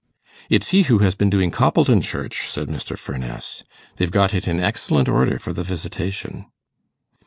'It's he who has been doing Coppleton Church,' said Mr. Furness. 'They've got it in excellent order for the visitation.